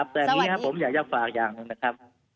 สวัสดีครับแต่อยากต้องฝากอย่างหนึ่งนะครับ